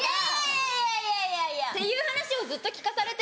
いやいやいや！っていう話をずっと聞かされて。